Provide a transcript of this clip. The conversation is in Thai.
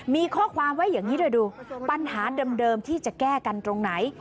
มีข้อความไว้อย่างนี้เลยดูปัญหาเดิมที่จะแก้กันตรงไหน